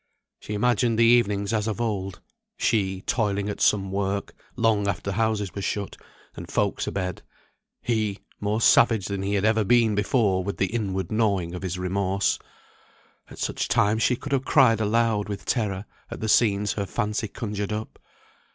She imagined the evenings as of old: she, toiling at some work, long after houses were shut, and folks abed; he, more savage than he had ever been before with the inward gnawing of his remorse. At such times she could have cried aloud with terror, at the scenes her fancy conjured up.